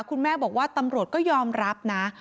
คุณแม่บอกว่าตำรวจก็ยอมรับนะ